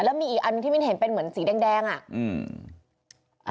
แล้วมีอีกอันที่มันเห็นเป็นเหมือนสีแดงอ่ะ